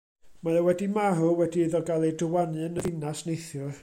Mae o wedi marw wedi iddo gael ei drywanu yn y ddinas neithiwr.